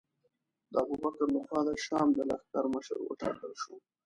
د ابوبکر له خوا د شام د لښکر مشر وټاکل شو.